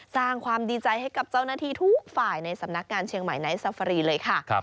สร้างความดีใจให้กับเจ้าหน้าที่ทุกฝ่ายในสำนักงานเชียงใหม่ไนท์ซาฟารีเลยค่ะ